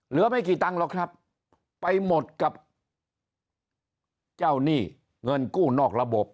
เหลือไม่กี่ตังค์หรอกครับไปหมดกับเจ้าหนี้เงินกู้นอกระบบ